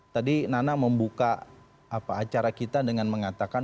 tadi nana membuka acara kita dengan mengatakan